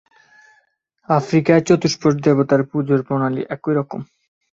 আফ্রিকায় চতুষ্পদ দেবতার পুজোর প্রণালী এইরকমই।